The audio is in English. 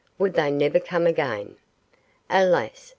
would they never come again? Alas!